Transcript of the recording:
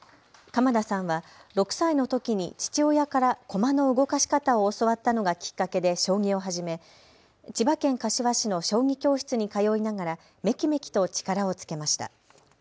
鎌田さんは６歳のときに父親から駒の動かし方を教わったのがきっかけで将棋を始め、千葉県柏市の将棋教室に通いながらめきめきと力をつけました。